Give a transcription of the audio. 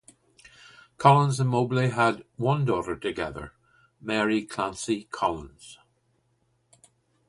Collins and Mobley had one daughter together, Mary Clancy Collins.